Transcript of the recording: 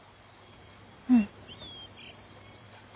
うん。